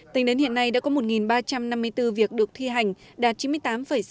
tính đến hiện nay đã có một ba trăm năm mươi bốn việc được thi hành đạt chín mươi tám sáu mươi